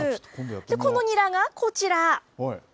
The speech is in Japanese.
このニラがこちら。